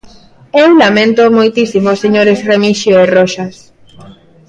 Eu laméntoo moitísimo, señores Remixio e Roxas.